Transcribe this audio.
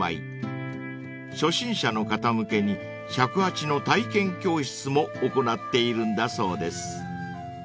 ［初心者の方向けに尺八の体験教室も行っているんだそうです］